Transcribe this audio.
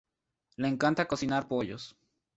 Le encanta cocinar pollos